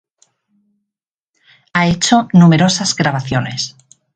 Ha hecho numerosas grabaciones.